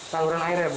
saluran air ya bu